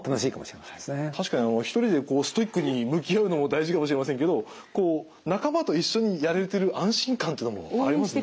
確かに１人でストイックに向き合うのも大事かもしれませんけどこう仲間と一緒にやれてる安心感というのもありますね。